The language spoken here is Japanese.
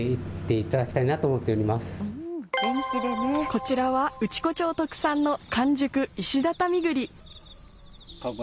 こちらは内子町特産の完熟石畳栗。